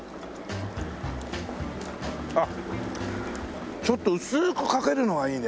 あっちょっと薄くかけるのがいいね。